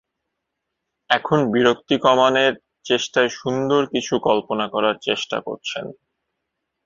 এখন বিরক্তি কমানের চেষ্টায় সুন্দর কিছু কল্পনা করার চেষ্টা করছেন।